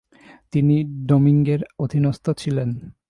তিনি ডমিঙ্গের অধীনস্থ ছিলেন।